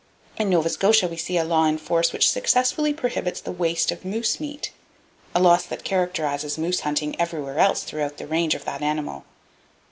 In Nova Scotia we see a law in force which successfully prohibits the waste of moose meat, a loss that characterizes moose hunting everywhere else throughout the range of that animal.